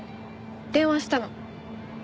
電話したの。